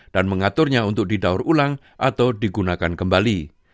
dan mengaturnya untuk didaur ulang atau digunakan kembali